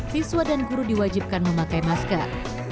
siswa dan guru diwajibkan memakai masker